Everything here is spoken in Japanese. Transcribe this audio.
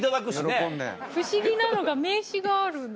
不思議なのが名刺があるの。